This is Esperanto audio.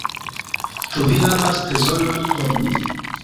Ĉu vi havas trezoron por mi?"